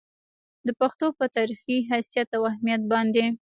د پښتو پۀ تاريخي حېثيت او اهميت باندې